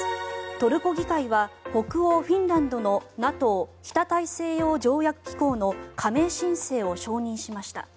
トルコ議会は北欧フィンランドのＮＡＴＯ・北大西洋条約機構の加盟申請を承認しました。